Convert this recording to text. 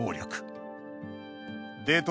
デート